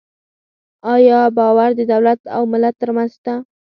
آیا باور د دولت او ملت ترمنځ شته؟